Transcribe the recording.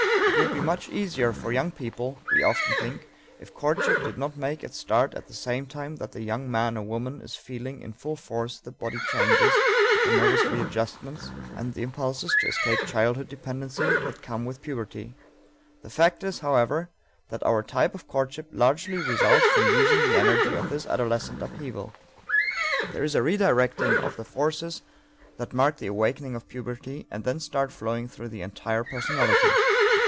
It would be much easier for young people, we often think, if courtship did not make its start at the same time that the young man or woman is feeling in full force the body changes, the nervous readjustments, and the impulses to escape childhood dependency that come with puberty. The fact is, however, that our type of courtship largely results from using the energy of this adolescent upheaval. There is a redirecting of the forces that mark the awakening of puberty and then start flowing through the entire personality.